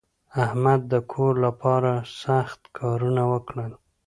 احمد د کور لپاره سخت کارونه وکړل.